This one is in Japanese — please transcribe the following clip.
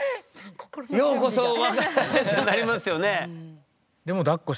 「ようこそ我が家へ」ってなりますよね。